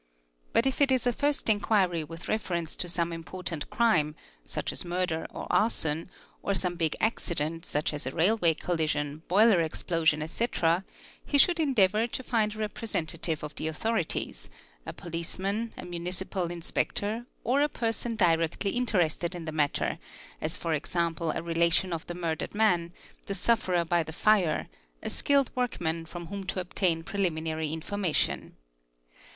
But if it is a first inquiry with reference to some important crime, such as murder or arson, or some big accident of such as a railway collision, boiler explosion, etc., he should endeavour to find a representative of the authorities, a policeman, a municipal inspector, or a person directly interested in the matter, as for example : a 'relation of the murdered man, the sufferer by the fire, a skilled work : nan, from whom to obtain preliminary information.